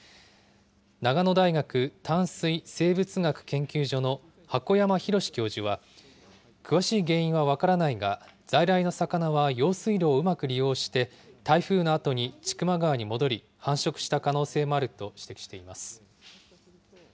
長野大学淡水生物学研究所の箱山洋教授は、詳しい原因は分からないが、在来の魚は用水路をうまく利用して、台風のあとに千曲川に戻り、繁殖した可能性もあると指摘しています。